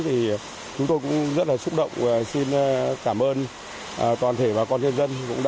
thì chúng tôi cũng rất là xúc động và xin cảm ơn toàn thể bà con nhân dân